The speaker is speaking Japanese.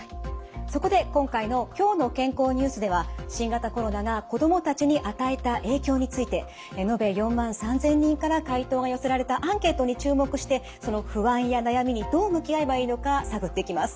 そこで今回の「きょうの健康ニュース」では新型コロナが子どもたちに与えた影響について延べ４万３，０００人から回答が寄せられたアンケートに注目してその不安や悩みにどう向き合えばいいのか探っていきます。